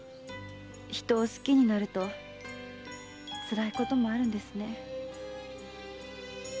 人を好きになるとつらいこともあるんですね。